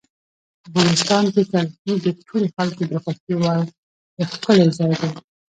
افغانستان کې کلتور د ټولو خلکو د خوښې وړ یو ښکلی ځای دی.